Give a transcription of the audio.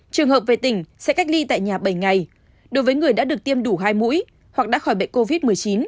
trường hợp về tỉnh sẽ cách ly tại nhà bảy ngày đối với người đã được tiêm đủ hai mũi hoặc đã khỏi bệnh covid một mươi chín